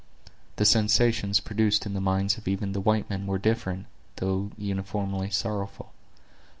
The sensations produced in the minds of even the white men were different, though uniformly sorrowful.